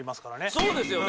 そうですよね。